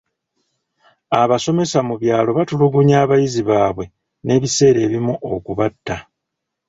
Abasomesa mu byalo batulugunya abayizi baabwe n'ebiseera ebimu okubatta.